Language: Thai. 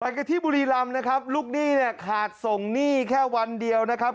กันที่บุรีรำนะครับลูกหนี้เนี่ยขาดส่งหนี้แค่วันเดียวนะครับ